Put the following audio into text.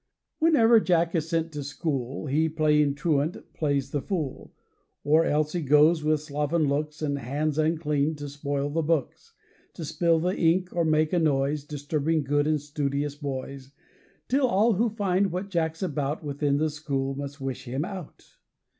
Whenever Jack is sent to school, He, playing truant, plays the fool: Or else he goes, with sloven looks And hands unclean, to spoil the books To spill the ink, or make a noise, Disturbing good and studious boys; Till all who find what Jack's about Within the school, must wish him out.